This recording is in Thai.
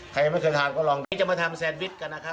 ใครไม่เคยทานก็ลองคิดจะมาทำแซนวิชกันนะครับ